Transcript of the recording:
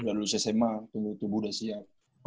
udah dulu sma tubuh udah siap